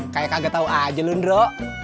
kayak kagetau aja lundro